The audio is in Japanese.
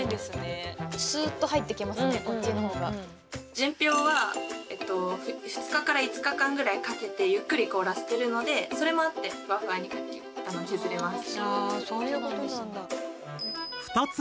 純氷は２日から５日間ぐらいかけてゆっくり凍らせてるのでそれもあってふわふわに削れます。